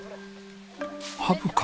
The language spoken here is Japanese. ハブか。